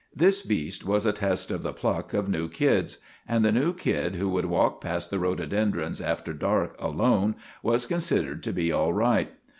This beast was a test of the pluck of new kids, and the new kid who would walk past the rhododendrons after dark alone, was considered to be all right.